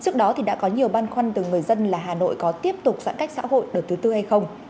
trước đó thì đã có nhiều băn khoăn từ người dân là hà nội có tiếp tục giãn cách xã hội đợt thứ tư hay không